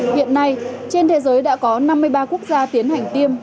hiện nay trên thế giới đã có năm mươi ba quốc gia tiến hành tiêm